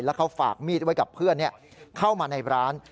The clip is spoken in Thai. แล้วเขาฝากมีดไว้กับเพื่อนเข้ามาในร้าน